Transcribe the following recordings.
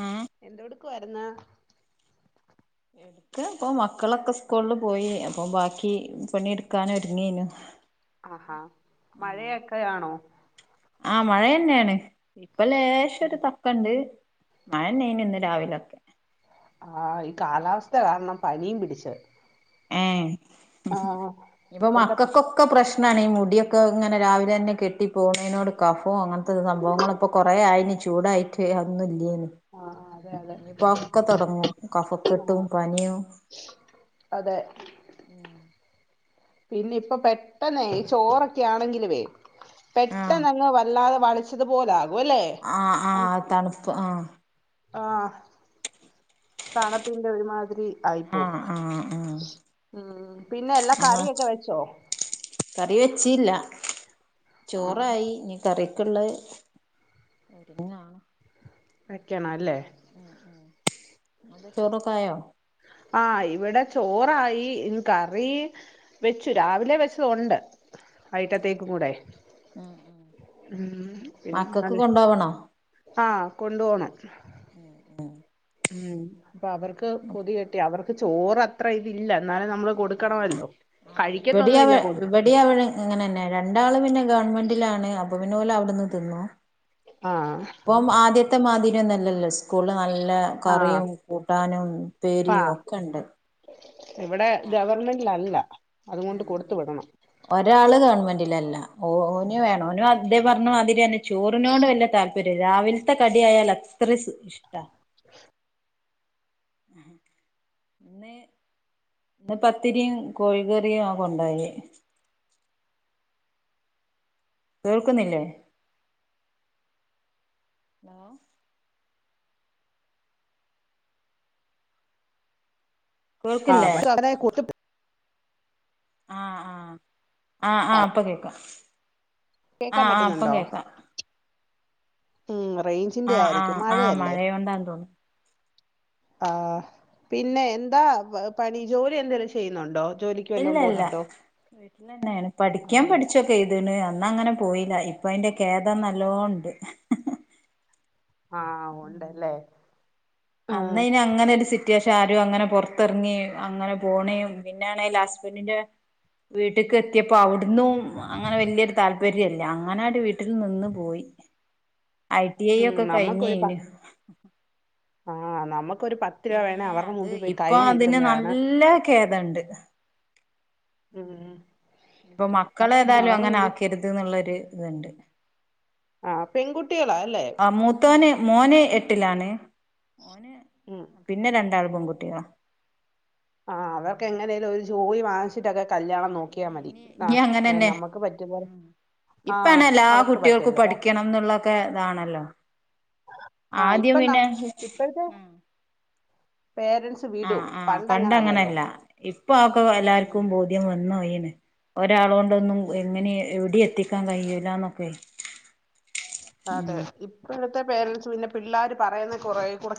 ഉം എന്തോടുക്കാരുന്ന് ക്ക് ഇപ്പൊ മക്കളൊക്കെ സ്കൂളിൽ പോയി അപ്പൊ ബാക്കി പണി എടുക്കാനൊരുങ്ങേനു ആഹാ മഴയൊക്കെ ആണോ ആ മഴന്നേണ് ഇപ്പ ലേശൊരു തക്ക ണ്ട് മഴന്നേനു ഇന്ന് രാവിലൊക്കെ ആ ഈ കാലാവസ്ഥ കാരണം പനീം പിടിച്ചത് ഏ ഇപ്പൊ ഇപ്പഴത്തെ മക്കക്കൊക്കെ പ്രശ്ന ക്ഷണ ഈ മുടിയൊക്കെ ഇനി രാവിലെ തന്നെ കെട്ടിപ്പോവുന്നോണ്ട് കഫോ അങ്ങനെ സംഭവങ്ങൾ പ്പൊ കൊറേ ആയിന് ചൂടായിട്ട് അന്നുല്ലേ ഉം ആഹ് അതെ അതെ പ്പോ ഒക്കെ തൊടങ്ങും കഫക്കെട്ടും ആഹ് പനിയും അതെ ഉം പിന്നെ ഇപ്പൊ പെട്ടെന്നെ ഈ ചോറൊക്കെ ആണെങ്കിലേ പെട്ടെന്ന് അങ്ങ് വല്ലാതെ വളിച്ചതുപോലാണ് ആ ആ തണുപ്പ് ആ ആ തണുപ്പിന്റെ ഒരുമാതിരി ആയിപ്പോവും ആഹ് ആഹ് ആഹ് ഉം പിന്നെ എല്ലാ നമ്മ കറിയൊക്കെ വെച്ചോ കറി വെച്ചില്ല ആഹ് ചോറായി ഇനി കറി ക്കുള്ള വെക്കണം അല്ലേ ഉം ഉം ങ്ങത് ചോറൊക്കെ ആയോ ആഹ് ഇവിടെ ചോറായി ഇനി കറി വെച്ചു രാവിലെ വെച്ചതൊണ്ട് ഉം ഉം വൈയിട്ടത്തേക്കും കൂടെ ഉം ഉം ഉം പിന്നെ മക്കൾക്ക് അല്ലെ കൊണ്ടോവണോ ആഹ് കൊണ്ട് പോണം ഉം ഉം അപ്പൊ അവർക്ക് പൊതുയെട്ടി അവർ ത് ചോറത്ര ഇതില്ല എന്നാലും നമ്മള് ആഹ് കൊടുക്കണമല്ലോ ആഹ് ഇവിടെ അവ കഴിക്കത്തൊന്നുമില്ല കൊ ഇവിടെ അവ ഇങ്ങനെന്നെ രണ്ടാളും പിന്നെ ഗവൺമെന്റിലാണ് അപൊപി- ഓലവിടുന്ന് തിന്നോ ആഹ് ഇപ്പം ആദ്യത്തെമാതി ഞൊന്നല്ലല്ലൊ സ് കൂള് നല്ല ആഹ് കറിയും കൂട്ടാനും ആ ഉപേരിയു ഒക്കെണ്ട് ഇവിടെ ഗവർൺമെന്റ് ല്ല അല്ല ആഹ് ആഹ് ഒരാള് ഗവൺമെന്റിലല് ഓ ഓന് വേണം ഓനു തെ പറഞ്ഞമാതിരിന്നെ ചോറിനോട് വല്ല താല്പ രാവിൽത്തെ കടിയായാല് അത്രേ സ് ഇഷ്ടാ ഇന്ന് ഇന്ന് പത്തിരിയും കോഴികറിയ കൊണ്ടോയെ കേൾക്കുന്നില്ലേ ആഹ് കേൾക്കില്ലേ പ [inaudible] ആഹ് ആഹ് ആഹ് ആഹ് പ്പൊ കേക്കാം കേക്കാൻ ആഹ് ആഹ് ഇപ്പം പറ്റുന്നുണ്ടോ കേക്കാ ഉം റേഞ്ചിന്റെ ആഹ് ആയിരിക്കും ആഹ് ആഹ് മഴയല്ലേ മഴയൊണ്ടാന്ന് തോന്നുന്നു ആഹ് പിന്നെ എന്താ പണി ജോലി എന്തേലും ചെയ്യുന്നുണ്ടോ ജോലിക്ക് ഇല്ല വല്ലോം ഇല്ല പോകുന്നുണ്ടോ വീട്ടിൽ തന്നെയാണ് പഠിക്കാൻ ആഹ് പഠിച്ചൊക്കെ എഴ്ത്ണ് അന്നങ്ങനെ പോയില്ല ഇപ്പ അയിന്റെ ഖേദം നല്ലോ ഒണ്ട്. ആഹ് ഒണ്ടല്ലേ അന്ന് അയ്ന് അങ്ങനൊരു സി- റ്റേഷൻ ആരുങ്ങനെ പുറത്തിറങ്ങി അങ്ങനെ പോണേം പിന്നാണെ ഹസ്ബൻഡിന്റെ വീട്ടിക്ക് എത്തിയപ്പോ അവ്ട് ഇന്നും അങ്ങനെ വല്ല്യോരു താല്പ താത്പര്യല്ല അങ്ങനാട് വീട്ടിൽ നിന്ന് പോയി. ഐ ടി ഐ ഉം ഒക്കെ കഴിഞ്ഞയിന്. ആ നമ്മ ഏ അത് ഇപ്പോ അതിന് നീട്ടുമ്പോഴാണ് നല്ല കേ ഇതണ്ട് മ് ഉം ഇപ്പ മക്കളെ ഏതായാലും അവരുടെ അങ്ങനെ മുമ്പിൽ ആക്കരുത് ന്നുള്ളൊര് ഇതുണ്ട് ആ പെൺകുട്ടികളാ അല്ലേ? ആ മൂത്തോന് മോന് എട്ടിലാണ്. ഓന് ഉം പിന്നെ രണ്ടാൾ പെൺകുട്ടികള ആ അവർക്ക് എങ്ങനെലും ഒരു ജോലി വാങ്ങിച്ചിട്ടൊക്കെ കല്യാണം നോക്കി നി നി അങ്ങനെന്നെ പോലെ ആഹ് ഇപ്പണെ എല്ലാ അവർക്ക് കുട്ടികൾക്കും പറ്റല്ലതാ പഠിക്കണംന്നുള്ളൊക്കെ ഇതാണല്ലോ. ആഹ് ആദ്യം ഇപ്പം നം പിന്നെ ഇപ്പോഴത്തെ പേരൻറ്സ് വിടും ആഹ് ആഹ് പണ്ടങ്ങനല്ലല്ലോ പണ്ടങ്ങനല്ല ഇപ്പ ഒക്കെ ഉം എല്ലാർക്കും ബോധ്യം വന്നു അയിന്. ഒരാളൂ ണ്ടൊന്നും ഉം എങ്ങനെ എവിടെ എത്തി എത്താൻ കഴിയൂലന്നൊക്കെ അതെ ഉം ഇപ്പഴ് ത്തെ പേരെന്റ്സ് പിന്നെ പിള്ളാര് പറയുന്നത് കൊറെ കുടെ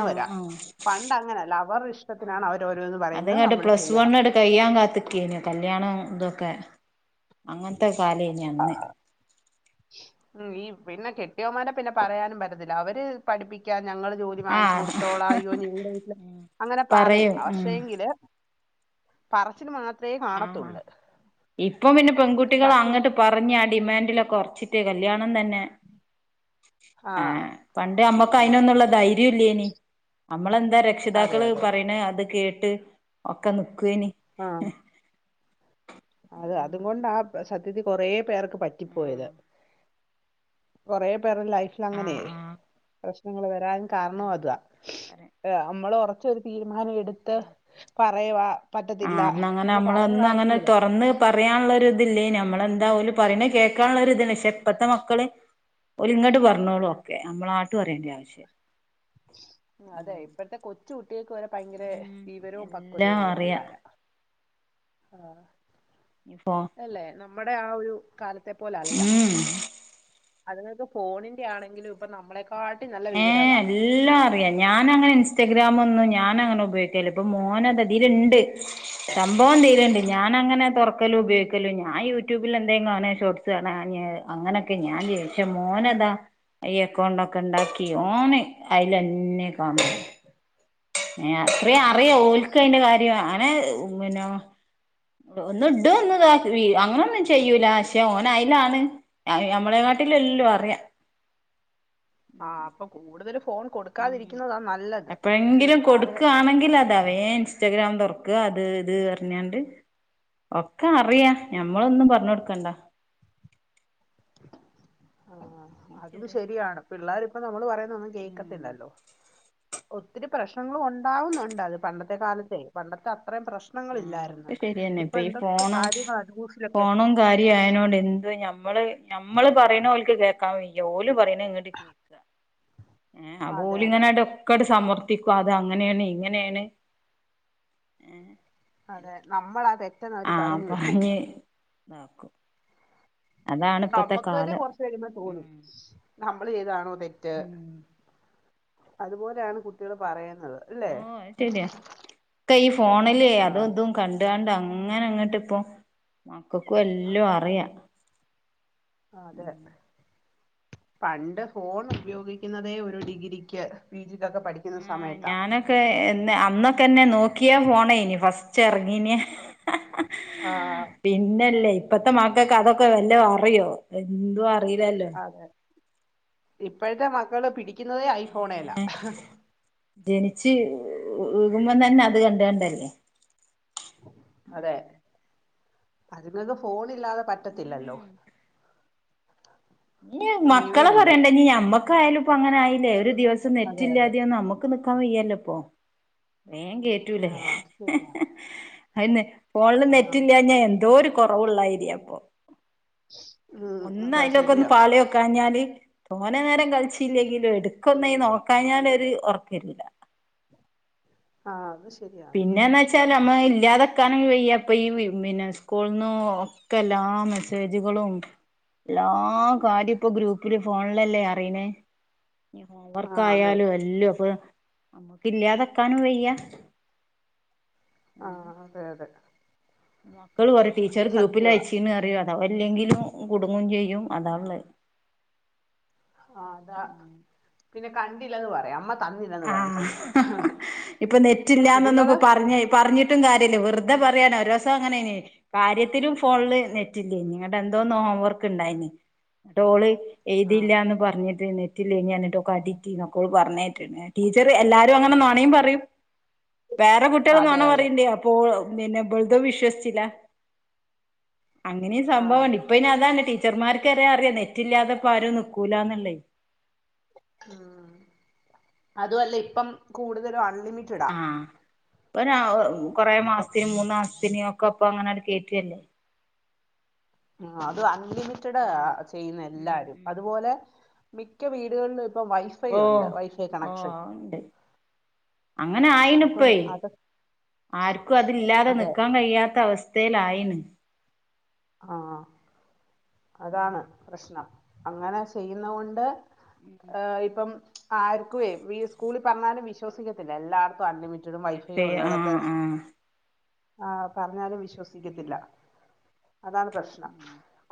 ആഹ് ആഹ് പണ്ട് അങ്ങനല്ല അവരുടെ ഇഷ്ടത്തിനാണ് അവരോരോന്ന് പറയുന്നത് അത്ങ്ങട്ട് നമ്മള് പ്ലസ് ചെയ്യണം. തൊക്കെ അങ്ങനത്തെ കാലായിന്ന് അന്ന്. ട്ടിയോൻമാരെ പിന്നെ പറയാനും പറ്റത്തില്ല അവര് പഠിപ്പിക്കാൻ ഞങ്ങൾ ജോലി വാങ്ങിച്ചു ആഹ് കൊടുത്തോള അയ്യോ നിങ്ങടെ വീട്ടില് അങ്ങനെ പറയും പക്ഷേങ്കില് പറച്ചില് മാത് ത്രേ ആഹ് കാണത്തുള്ള്. ഇപ്പം പിന്നെ പെൺകുട്ടികൾ അങ്ങട്ട് പറഞ്ഞ് ഡിമാൻഡില് ഒക്കെ കുറച്ചിട്ടെ കല്യാണം ണം തന്നെ ആ ആഹ് പണ്ട് നമ്മക്ക് അതിനനൊന്നുള്ള ധൈര്യ ഇല്ലേനി നമ്മളെന്താ അതെ രക്ഷിതാക്കള് അതെ പറയണ അത് കേട്ട് ഒക്കെ നിക്കൊനി ആഹ് അത് അത് ഉം കൊണ്ടാ സത്യത്തിൽ കുറെ പേർ പറ്റിപ്പോയത് കുറ ലൈഫിൽ അങ്ങനെയ ആഹ് ആഹ് ഞങ്ങള് വരാ കാരണം ഉം അത പറ നമ്മള് തീരു മാന എടുത്ത പറയുവാ ആ പറ്റത്തില്ല അന്നങ്ങനെ എന്ന് നമ്മളന്നും അങ്ങനെ പറയുവായിരുന്നെങ്കിലേ തുറന്ന് പറയാനുള്ള ഇതില്ലേ നമ്മളെന്താ പറയ കേൾക്കാനുള്ള ഇല്ല പക്ഷെ ഇപ്പഴത്തെ മക്കള് ഇങ്ങോട്ട് പറഞ്ഞോളൂ ഒക്കെ നമ്മളാട്ട് പറയേണ്ട ആവശ്യം അതെ ഉം ഇപ്പഴത്തെ കൊ കുട്ടികക്ക് വരെ ഭയങ്കര ഉം വിവരവും എല്ലാം പക്വതയും ഉള്ള അറിയാ പിള്ളോരാണ് ആഹ ഇപ്പോ അല്ലേ ന നമ്മുടെ ആ ഒരു കാലത്തെ പോലല്ല ഉം അത്ങ്ങൾക്ക് ഫോണിന്റെറെ ആണെങ്കിലും ഇപ്പ നമ്മളെ ഏ എല്ലാം അറിയാം ഞാനങ്ങനെ ഇൻസ്റ്റഗ്രാാം ഒന്നും ഞാൻങ്ങനെ ഉപയോഗിക്കല്ലോ ഇപ്പ മോനത ഇതിലുണ്ട് സംഭവം എന്തേലുണ്ട് ഞാന അങ്ങനെ തുറക്കലോ ഉപയോഗിക്കല്ലോ ഞാൻ യൂട്യൂബിൽ എന്തെങ്കിലും അങ്ങനെ ഷോർട്ട്സ് കാണ അങ്ങനൊക്കെ ഞാൻ ചിച്ച മോനത ഈ അക്കൗണ്ട ഒക്കെ ഉണ്ടാക്കി മോന് അയിലന്നെ കാണ ആ, അത്രയും അറിയാം ഓൽക്ക അയിന്റെ കാര്യ പിന്നെ [unintelligible] ഒന്ന് ഇട ഒന്നു അങ്ങന ഒന്നും ചെയ്യൂല പക്ഷെ ഓന അയലാണ് ഞമ്മളെ കാട്ടിലല്ലോ അറിയാം ആഹ് അപ്പൊ കൂടുതല ഉം ഉം ഇപ്പത്തെ ഒരു എപ്പോഴെങ്കിലും കാലഘട്ടത്തിൽ കൊടുക്കുവാണെങ്കിൽ അതാ വേഗം ഇൻസ്റ്റാഗ്രാം തൊറക്കും അത് ഇത് പറഞ്ഞാണ്ട് ഒക്ക അറിയാ ഞമ്മളൊന്നും പറഞ്ഞ് കൊടുക്കണ്ടാ ആ അതും ശരിയാണ് പിള്ളാര് ഇപ്പൊ നമ്മള് പറയ പറയുന്ന ഒന്നും ഉം കേക്കത്തില്ലല്ലോ ഒത്തിരി പ്രശ്നങ്ങളും ഒണ്ടാവുന്നുണ്ട് അത് പണ്ടത്തെ കാലത്തെ പണ്ടത്തെ അത്രയും ആഹ് പ്രശ്നങ്ങളില്ലായിരുന്നു അത് ശരിയന്നെ ഇപ്പൊ ഇപ്പ ഈ എന്തൊക്കെ ഫോണും കാര്യങ്ങളാ ന്യൂസിലൊക്കെ ഫോണും കാര്യം ആയതിനോട് എന്ത് ഞമ്മള് ഞമ്മള് പറയണ ഓല്ക്ക് കേൾക്കാൻ വയ്യ ഓല് പറയണ ഇങ്ങട്ട് കേക്ക ഏ അപ്പ അതെ അതെ ഓലിങ്ങനെ ഒക്കൊയിട്ട് സമർ എത്തിക്ക അത് അങ്ങനെയാണ് ഇങ്ങനെയാണ് ഏഹ് അതെ നമ്മളാ തെ പെട്ടന്ന് അവര് പറഞ്ഞു വെക്കും നാക്കും അതാണ് ഇപ്പത്തെ കാലം ഉം നമ്മള് ചെയ്താണോന്ന് ഹും അതുപോലെയാണ് കുട്ടികള് പറയ അൽ അല്ലേ തെയ്ഫ് ഫോണിലേ ആ അതും ഇതും കണ്ടാണ്ട് അങ്ങനെ അങ്ങോട്ട് ഇപ്പൊ കൊക്കെ എല്ലാം അറിയാം അതെ പണ്ട് ഫോൺ ഉപയോഗിക്കുന്നതെ ഒരു ഡിഗ്രിക്ക് പിജി ആ ഞാനൊക്കെ അന്നൊക്കെന്നെ നോക്കിയാ ഫോൺആരുന്നു ഫസ്റ്റ് ചെറങ്ങീനെ ആ പിന്നല്ലേ ഇപ്പഴത്തെ മക്കൾക്ക് അതൊക്കെ വല്ലോം അറിയോ എന്തുവാ അയിലല്ലോ ഇപ്പോഴ്ത്തെ മക്കള് പിടി ക്കുന്നതേ ഐഫോണേലാ ജനിച്ചു വീഴുമ്പോ തന്നെ അത് കണ്ടാണ്ടല്ലേ അതെ അതിങ്ങക്ക് ഫോണില്ലാതെ പറ്റത്തില്ലല്ലോ ഇ മക്കളെ അങ്ങനെയുണ്ട് പറയണ്ട ഇഞ്ഞി നമ്മ ക്കാലും ഇപ്പ അങ്ങന ആയില്ലേ ഒരു ദിവസം അതെ അതെ നെറ്റില്ലാതെയ നമുക്ക് ക്കാൻ വയ്യല്ലപ്പോ ഏ കേറ്റൂലേ ആഹ് അത് ശരിയാ ഐന്നെ ഫോണില് നെറ്റ് ആഹ് ഇല്ലഞ്ഞാ എന്തോരു കുറവുള്ളായിരിയ അപ്പൊ ഉം അതാ ഒന്നഅതിലൊക്കെ ഒന്ന് ശരിയാ പാല് വക്കാഞ്ഞാല് തോനെ നേരം കളിച്ചില്ലെങ്കിലും എടുക്കൊന്നായി നോക്കാഞ്ഞാലൊരു ഒ റക്കരില്ല ആ അത്ശ് പിന്നെന്ന് വെച്ചാനമ്മ ഇല്ലാതെ കാന വെയ്യപ്പ ഈ പിന്നെ സ്കൂളന്ന് ഒക്കെ എല്ലാ മെസ്സേജുകളും എല്ലാ കാര്യ ഇപ്പൊ ഗ്രൂപ്പില് ഫോണിലല്ലേ അറിയനേ ഇ ആഹ് അതെ ഹോവർക്കായാലും എല്ലാം അപ്പൊ നമുക്ക് ഇല്ലാതെ വയ്ക്കാനും വയ്യാ. ആ അതെ അതെ മ ക്കളെ പറയും ടീച്ചർ അത് ഗ്രൂപ്പില് സത്യവാ അയച്ചീന് അറിയാൻ. അതല്ലെങ്കിലും കുടുങ്ങം ചെയ്യും അതാ ഉള്ള. ആ അതാ പിന്നെ കണ്ടില്ലയെന്ന് പറയാം അമ്മ. തന്നില്ലന്ന് ആ പറയും ചെന്ന് ഇപ്പൊ നെറ്റില്ല എന്നൊന്നും ഇപ്പോ ഇതുങ്ങള് പറഞ്ഞേ പറഞ്ഞിട്ട്. ട്ടും കാര്യയല്ല വെറുതെ പറയാണ്, അവര് പക്ഷേ അങ്ങനെയാണ് കാര്യത്തിലും ഫോണില് നെറ്റില്ലേന്ന് നിങ്ങടെ എന്തോന്ന് ഹോംവർക്ക് ഉണ്ടായിന്ന് എന്നിട്ട് ഓള്. ആഹ് എഴുതില്ലന്ന് പറഞ്ഞിട്ട്. ഇതിൽ നെറ്റ് ഇല്ലാഞ്ഞിട്ട് [unintelligible] ഒക്കെ അവള് പറഞ്ഞിട്ടോ. ടീച്ചർ എല്ലാരും അങ്ങനെ നുണയും പറയും. വേറെ കുട്ടികളെ അതെ നുണ അതെ പറയണ്ട അപ്പൊ ഓളും. നിന്നെ പോലെത്തെ വിശ്വസിച്ചില്ല. അങ്ങനെയും ആഹ് സംഭവമാണ് ഇപ്പ ഇനി അതാണ്. ടീച്ചർമാർക്ക് അറിയാ അറിയാം നെറ്റ് ഇല്ലാതിപ്പോ ആരും നിക്കൂലന്നുള്ളൂ. ആഹ് അതുവല്ല ഇപ്പം കൂടുതലും ആ ലിമിറ്റഡാ ഒരാ [unintelligible] കുറേ മാസ്തീന് മൂന്ന് ആ പിന്നെ ഒക്കെ അപ്പൊ അങ്ങനെ അണ്ട് കേറ്റെല്ലേ ആഹ് അത് അൺലിമിറ്റഡ് ആഹ് ചെയ്യുന്ന ഉം എല്ലാരും ഉം അതുപോലെ മിക്ക വീടുകള്ലും ഓഹ് ഓണ്ട് അങ്ങനെ അപ്പം ആയിന്പ്പേ അത് ആർക്കും അത് ഇല്ലാതെ അതെ നിക്കാൻ കഴിയാത്ത അവസ്ഥ ത്തേലായിന് ആഹ് ഉം അതാണ് പ്രശ്നം അങ്ങനെ ചെയ്യുന്നോകൊണ്ട് ഉം ആ ഇപ്പം ആർക്കുയ് വീ സ്കൂളിൽ പറഞ്ഞാലും വിശോസിക്കതില്ല. എല്ലാർക്കും.... പ്പൊ അൺലിമിറ്റഡും വൈ ഫൈ വൈഫൈ ഉള്ളിടത്ത് ആഹ് ആഹ് ആ.. പറഞ്ഞാലും വിശ്വാസി... ഉം ശ്വസിക്കത്തില്ല അതാണ് പ്രശ്നം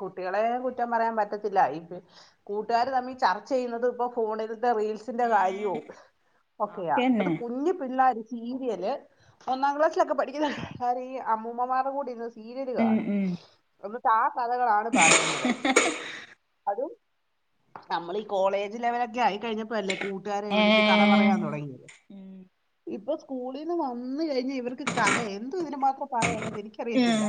കുട്ടി.... നിങ്ങളെ കുറ്റം പറയാൻ പറ്റത്തില്ല [unintelligible] കൂട്ട്കാർ തമ്മിൽ ചർച്ച ചെയ്യുന്നത് ഇപ്പൊ ഫോണിൽ ഒക്കെ റീൽസിന്റെ കാര്യോ ഏഹ് ഒക്കെയാ അത് അതൊക്കെന്നെ കുഞ്ഞി പിള്ളേര് സീരിയല് ഒന്നാം ക്ലാസ്സിലൊക്കെ പഠിക്കുന്ന ആര് ഈ അമ്മൂമ്മമാരുടെ കൂടെ ഇരുന്ന് സീ സീരെൽ ഉം കാണും. ഉം മ്... ഒന്ന് താ... കഥകളാണ് പറയുന്നത്. അത് നമ്മള് ഈ കോളേജ് ലെവലൊക്കെ ആയികയിഞപ്പ യല്ലേ... കൂട്ടരേ വിളിച് കഥ ഏഹ് പറയാൻ തുടങി. ഉം ഇപ്പൊ സ്ക്കൂളിന്ന് വന്ന് കേറി... ഈ ഇവർക്ക് കഥ എന്തു ഇതിന് മാത്രം പറയാനുള്ളത് എനിക്ക് അറിയത്തില്ല.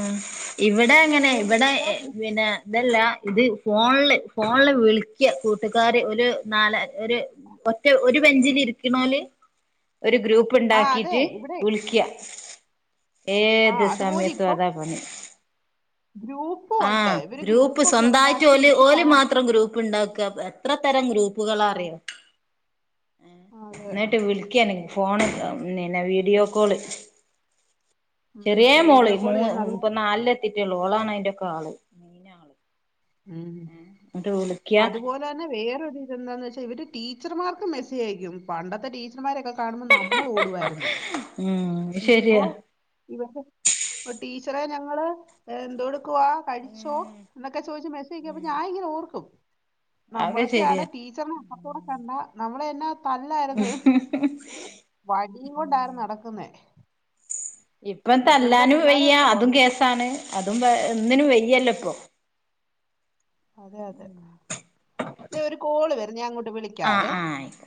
ങ്ങനെ ഇവിടെ എഹ് പിന്നെ ഇതല്ല ഇത് ഫോണ്ല് ഫോണില് വിളിയ്ക്കാ കൂട്ടുകാര് ഓല് നാല ഒര് ഒറ്റ ഒര് ബെഞ്ചില് ഇര് ഇര്ന്നാല് ഒരു ആ അതെ ഗ്രൂപ്പുണ്ടാക്കീറ്റ് ഇവിടെ വിളിയ്ക്കാ ആ ഏത് അതുപോലെ സമയത്തും ഇപ്പം അതാ പണി ഗ്രൂപ്പും ആ... ഉണ്ട് ഇവര് ഗ്രൂപ്പ്‌ ഗ്രൂപ്പൊക്കെ സ്വന്തായിറ്റ് ഉണ്ടാക്കി ഓല് ഇവര് ഓല് ചാറ്റ് മാത്രംഗ്രൂപ്പ് ണ്ടാക്കാന്ന്. എത്ര തരം ഗ്രൂപ്പ്‌ ആ കളാറിയോ. ആ, അതെ ന്നിട്ട് വിളിയ്ക്കാണ് ഇങ്ങ ഫോൺ താ ഇന്നിനാ വീടിയോകാൾ ചെറിയേ മോള് വീഡിയോ കോൾ മൂന്ന് ചെയ്യുന്ന അതുപോലെ ഇപ്പൊ നാൽല്ല് വിദ്യള്ള ഓളാണ് അയ്‌ന്റെ ഒക്കെ ആ ആള് ഇന്നാള് ഉം. അത്പോലെ തന്നേ വേറൊരു ഇതെന്താന്ന് വെച്ചാ ഇവര് ടീച്ചർ മാർക്ക് മെസ്സേജ് അയ്ക്കും. പണ്ടത്തെ ടീച്ചർ മാരൊക്കെ.... [unintelligible] കാണുമ്പോ നമ്മള് ഓടു വായിരുന്ന്. ഉം ഒ.... ശരിയാ [unintelligible] ഒ.. ടീച്ചറേ ഞങ്ങൾ ഏ.. എന്തോട്... ക്ക്വാ കഴിച്ചോ എന്നൊക്കെ ചോയ്ച്ച് മെസ്സെയ് [unintelligible] അപ്പ ഞാ ഇങ്ങനെ ഓർക്കും അതൊക്കെ നമ്മളൊക്കെ ആണെ ശരിയാ ടീച്ചറിന അപ്പറത്തോടെ കണ്ട നമ്മളന്നാ തല്ലായിരുന്നു വടി കൊണ്ടായിരുന്നു നടക്കുന്നേ ഇപ്പം ഇപ്പോഴത്തെ തല്ലാനും പിള്ളേരെ വെയ്യ ഒന്ന് അതും തോന്നണം കേസാണ് അതും പ ഒന്നും വെയ്യല്ലോ പ്പൊ അതെ അതെ തെ ഒരു കോള് വരുന്നു ഞാൻ അങ്ങോട്ട് ആഹ് വിളിക്കാവേ ആഹ് ആയിക്കോട്ടെ